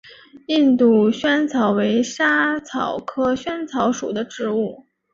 印度薹草为莎草科薹草属的植物。